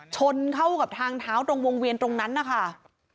ชนเข้ากับทางเท้าตรงวงเวียนตรงนั้นนะคะ